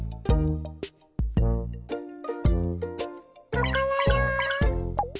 ここだよ！